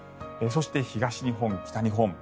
そして東日本、北日本。